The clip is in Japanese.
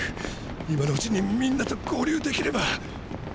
今のうちにみんなと合流できれば。